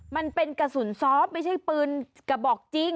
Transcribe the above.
มันเป็นกระสุนซอฟต์ไม่ใช่ปืนกระบอกจริง